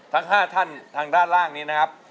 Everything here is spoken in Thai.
ทั้ง๕ท่านทางด้านล่างนี้นะครับ